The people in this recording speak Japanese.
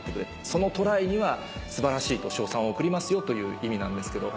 そのトライには素晴らしいと称賛を送りますよという意味なんですけど。